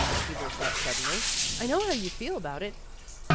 he burst out suddenly. "I know how you feel about it.